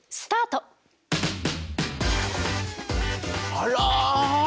あら！